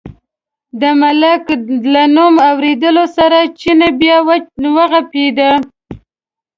د ملک له نوم اورېدو سره چیني بیا و غپېد.